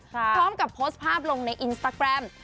พร้อมกับโพสต์ภาพลงในอินสตาแกรม